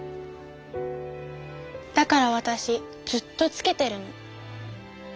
だからわたしずっとつけてるの。